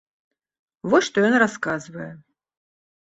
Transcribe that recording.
Вось што ён расказвае.